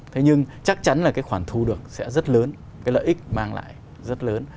thế nhưng chắc chắn là cái khoản thu được sẽ rất lớn cái lợi ích mang lại rất lớn